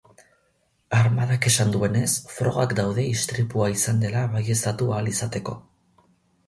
Armadak esan duenez, frogak daude istripua izan dela baieztatu ahal izateko.